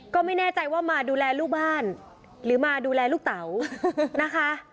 ก็ไม่แน่ใจว่ามาดูแลลูกบ้านหรือมาดูแลลูกเต๋านะคะ